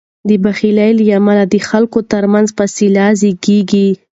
د بخل له امله د خلکو تر منځ فاصله زیږیږي.